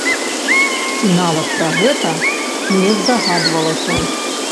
І нават пра гэта не здагадвалася.